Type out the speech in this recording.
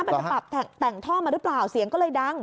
มันจะปรับแต่งท่อมาหรือเปล่าเสียงก็เลยดัง